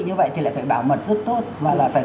như vậy thì lại phải bảo mật rất tốt lại phải